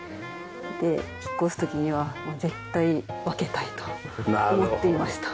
で引っ越す時には絶対分けたいと思っていました。